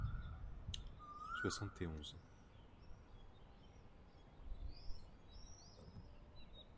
soixante et onze.